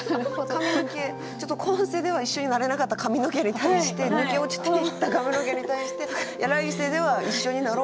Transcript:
髪の毛ちょっと今世では一緒になれなかった髪の毛に対して抜け落ちていった髪の毛に対して「来世では一緒になろうね」ってこう毛根などに。